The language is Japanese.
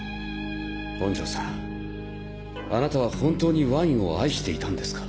本城さんあなたは本当にワインを愛していたんですか？